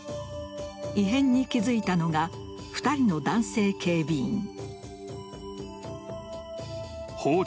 異変に気づいたのが２人の男性警備員。